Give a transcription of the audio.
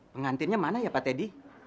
pengantinnya mana ya pak teddy